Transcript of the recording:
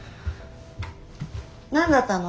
何だったの？